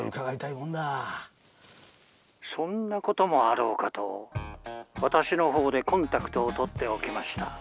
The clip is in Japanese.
「そんなこともあろうかと私のほうでコンタクトをとっておきました。